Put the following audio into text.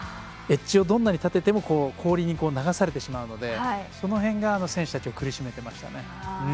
エッジをどんなに立てても氷に流されてしまうのでその辺が選手たちを苦しめてましたね。